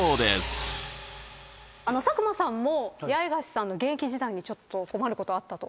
佐久間さんも八重樫さんの現役時代にちょっと困ることあったと。